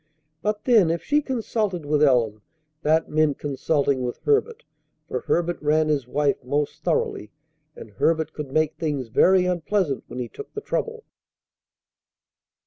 But then, if she consulted with Ellen that meant consulting with Herbert; for Herbert ran his wife most thoroughly, and Herbert could make things very unpleasant when he took the trouble.